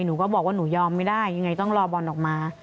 หนูก็บอกว่าหนูยอมไม่ได้ยังไงต้องรอบอลออกมา